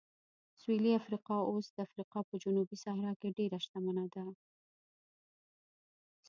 سویلي افریقا اوس د افریقا په جنوبي صحرا کې ډېره شتمنه ده.